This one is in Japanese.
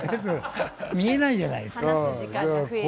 見えないじゃないですか。